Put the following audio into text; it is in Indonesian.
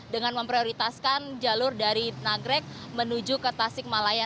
dengan memprioritaskan jalur dari nagrek menuju ke tasik malaya